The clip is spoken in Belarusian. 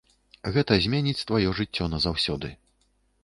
Гэта зменіць тваё жыццё назаўсёды.